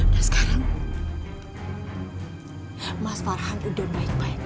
dan sekarang mas farhan udah baik baik